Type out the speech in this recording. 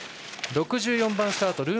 ６４番スタート